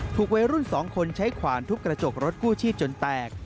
วัยรุ่น๒คนใช้ขวานทุบกระจกรถกู้ชีพจนแตก